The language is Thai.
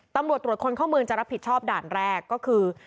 ตำรวจตรวจคนเข้าเมืองจะรับผิดชอบด่านแรกก็คือ